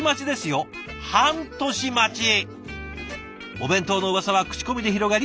お弁当のうわさは口コミで広がり